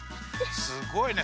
すごいね。